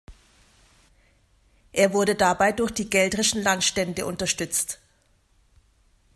Er wurde dabei durch die geldrischen Landstände unterstützt.